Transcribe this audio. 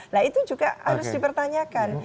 nah itu juga harus dipertanyakan